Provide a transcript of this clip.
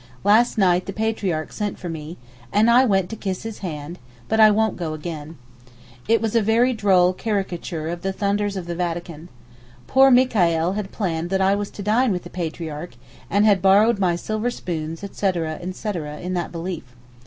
Last night the Patriarch sent for me, and I went to kiss his hand, but I won't go again. It was a very droll caricature of the thunders of the Vatican. Poor Mikaeel had planned that I was to dine with the Patriarch, and had borrowed my silver spoons, etc., etc., in that belief.